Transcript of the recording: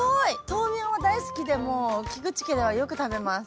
豆苗も大好きでもう菊地家ではよく食べます。